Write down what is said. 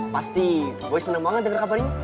pasti boy seneng banget denger kabarnya